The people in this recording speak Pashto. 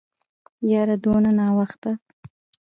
يره دونه ناوخته.